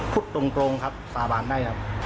พูดตรงครับสาบานได้ครับ